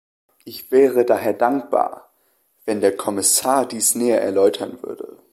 Ich wäre daher dankbar, wenn der Kommissar dies näher erläutern würde.